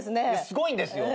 すごいんですよ。